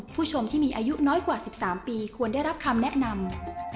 ผู้ชมที่มีอายุน้อยกว่า๑๓ปีควรได้รับคำแนะนำ